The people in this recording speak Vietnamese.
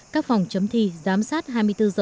các phòng chấm thi giám sát hai mươi bốn h một mươi năm